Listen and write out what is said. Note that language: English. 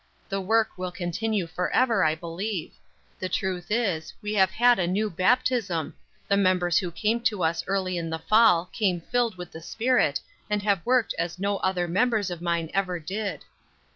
The work will continue forever, I believe; the truth is, we have had a new baptism, the members who came to us early in the fall, came filled with the Spirit, and have worked as no other members of mine ever did."